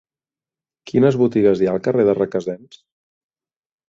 Quines botigues hi ha al carrer de Requesens?